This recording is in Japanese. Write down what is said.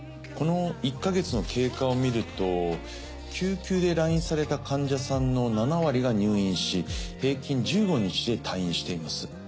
この１か月の経過をみると救急で来院された患者さんの７割が入院し平均１５日で退院しています。